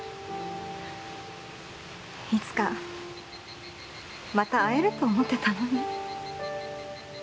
いつかまた会えると思ってたのに。